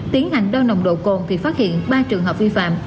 tiến hành đo nồng độ cồn thì phát hiện ba trường hợp vi phạm